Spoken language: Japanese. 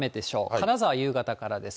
金沢、夕方からです。